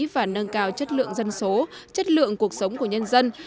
và nâng cao chất lượng dân số chất lượng cuộc sống của nhân dân